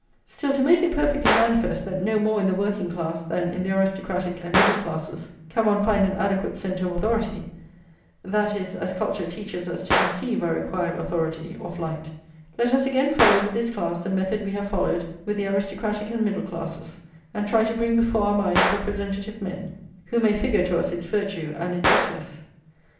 Still, to make it perfectly manifest that no more in the working class than in the aristocratic and middle classes can one find an adequate centre of authority, that is, as culture teaches us to conceive our required authority, of light, let us again follow, with this class, the method we have followed with the aristocratic and middle classes, and try to bring before our minds representative men, who may figure to us its virtue and its excess.